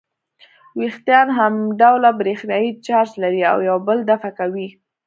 وېښتان همډوله برېښنايي چارج لري او یو بل دفع کوي.